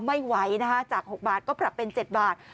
ไม่ไหวนะคะจาก๖บาทก็ปรับเป็น๗บาท